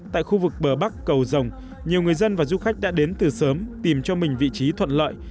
tại khu vực bờ bắc cầu rồng nhiều người dân và du khách đã đến từ sớm tìm cho mình vị trí thuận lợi